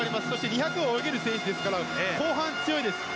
２００を泳げる選手ですから後半に強いです。